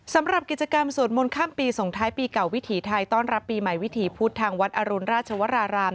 สำหรับกิจกรรมสวดมนต์ข้ามปีส่งท้ายปีเก่าวิถีไทยต้อนรับปีใหม่วิถีพุทธทางวัดอรุณราชวราราม